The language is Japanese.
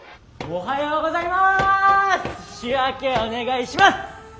おはようございます。